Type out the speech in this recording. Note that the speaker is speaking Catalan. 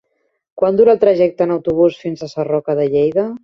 Quant dura el trajecte en autobús fins a Sarroca de Lleida?